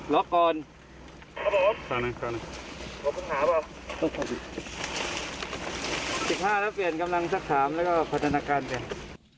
๑๕แล้วเปลี่ยนกำลังสักถามแล้วก็พัฒนาการก่อน